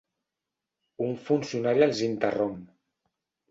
Un funcionari els interromp.